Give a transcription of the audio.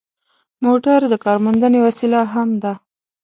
موټر د کارموندنې وسیله هم ده.